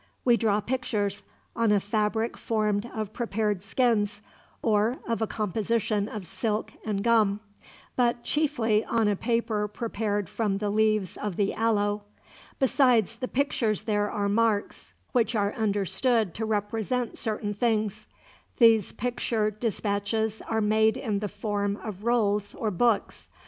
"We draw pictures, on a fabric formed of prepared skins, or of a composition of silk and gum, but chiefly on a paper prepared from the leaves of the aloe. Besides the pictures there are marks, which are understood to represent certain things. These picture dispatches are made in the form of rolls, or books.